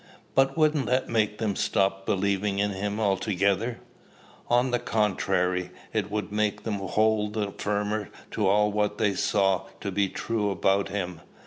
"But wouldn't that make them stop believing in him altogether?" "On the contrary, it would make them hold the firmer to all that they saw to be true about him.